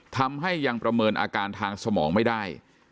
ทำให้ยังประเมินอาการทางสมองไม่ได้